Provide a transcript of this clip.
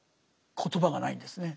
言葉がないんですね。